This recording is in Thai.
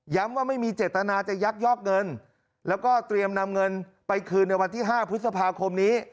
ว่าไม่มีเจตนาจะยักยอกเงินแล้วก็เตรียมนำเงินไปคืนในวันที่๕พฤษภาคมนี้